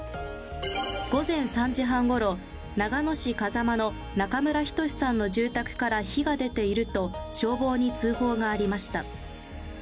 午前３時半ごろ、長野市風間の中村均さんの住宅から火が出ていると消防に通報がありました。